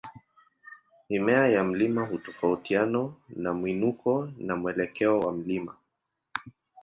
Mimea ya mlima hutofautiana na mwinuko na mwelekeo wa mlima.